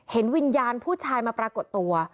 เห็นวิญญาณผู้ชายมาปรากฏตัว